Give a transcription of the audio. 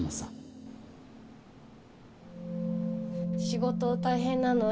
仕事大変なの？